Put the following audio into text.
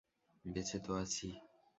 বেঁচে তো আছি।